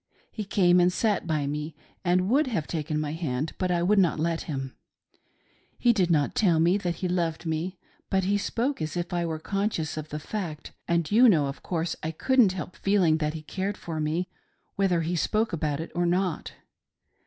He came and sat by me, and would have taken my hand, but I would not let him. He did not tell me that he loved me, but he spoke as if I were conscious of the fact, and you know, of course, I couldn't help feeling thai he cared for me, whether he spoke about it or not.